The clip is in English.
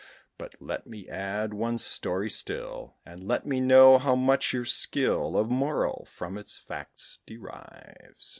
But let me add one story still; And let me know how much your skill Of moral from its facts derives.